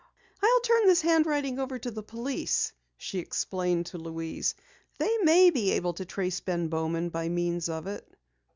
"I'll turn this handwriting over to the police," she explained to Louise. "They may be able to trace Ben Bowman by means of it."